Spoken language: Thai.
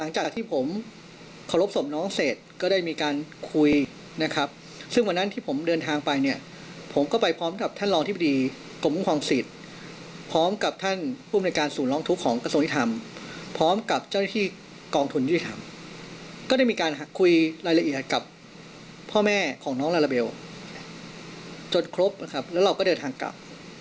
จนครบนะครับแล้วเราก็เดินทางกลับ